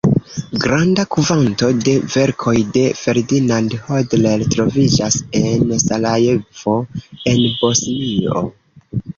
Granda kvanto de verkoj de Ferdinand Hodler troviĝas en Sarajevo, en Bosnio.